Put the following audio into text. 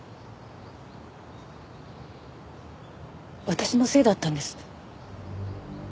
私のせいだったんです。